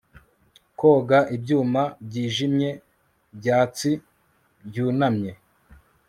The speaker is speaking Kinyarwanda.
koga ibyuma byijimye byatsi byunamye